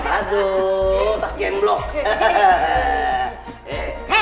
aduh tas gemblok